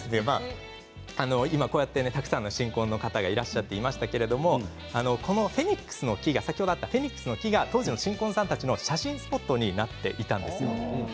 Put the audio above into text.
今、こうやってたくさんの新婚の方がいらっしゃっていましたけどこのフェニックスの木が当時の新婚さんたちの写真スポットになっていたんです。